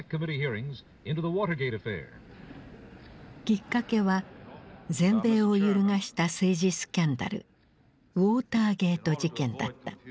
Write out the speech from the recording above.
きっかけは全米を揺るがした政治スキャンダルウォーターゲート事件だった。